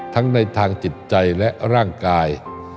ทั้งในทางจิตใจและร่างกาย